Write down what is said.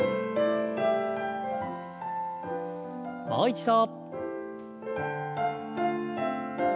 もう一度。